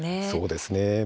そうですね。